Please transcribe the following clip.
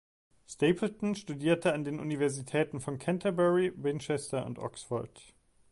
Stapleton studierte an den Universitäten von Canterbury, Winchester und Oxford.